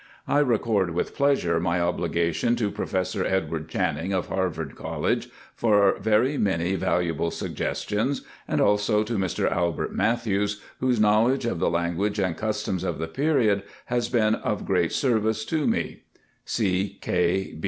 I record with pleasure my obligation to Pro fessor Edward Channing, of Harvard College, for very many valuable suggestions ; and also to Mr. Albert Matthews, whose knowledge of the lan guage and customs of the period has been of great service to me.